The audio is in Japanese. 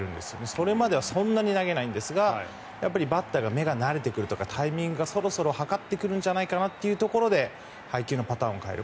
それまではそんなに投げないんですがバッターが目が慣れてくるとかタイミングがそろそろ計ってくるんじゃないかというところで配球のパターンを変える